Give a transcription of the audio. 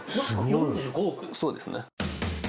そうですね